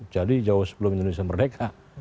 jadi jauh sebelum indonesia merdeka